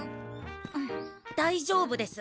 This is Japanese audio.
大丈夫です！